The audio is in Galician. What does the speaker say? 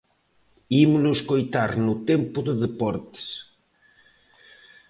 Ímolo escoitar no tempo de deportes.